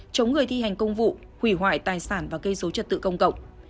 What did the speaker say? chống người thi hành công vụ hủy hoại tài sản và gây dối trật tự công cộng